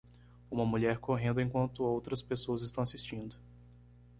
Uma mulher correndo enquanto outras pessoas estão assistindo.